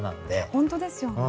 本当ですよね。